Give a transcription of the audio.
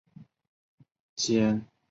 尖头燕鳐为飞鱼科燕鳐属的鱼类。